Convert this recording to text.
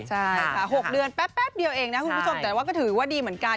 ใช่ค่ะ๖เดือนแป๊บเดียวเองนะคุณผู้ชมแต่ว่าก็ถือว่าดีเหมือนกัน